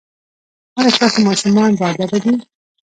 ایا ستاسو ماشومان باادبه دي؟